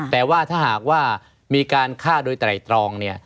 แต่ว่าถ้าหากว่ามีการฆ่าโดยไตรตรอง